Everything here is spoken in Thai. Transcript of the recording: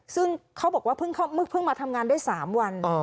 ซึ่งเขาบอกว่าเพิ่งมาทำงานได้๓วัน